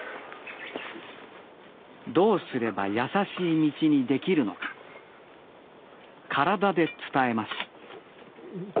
どうすればやさしい道にできるのか体で伝えます